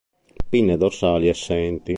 Pinne dorsali assenti.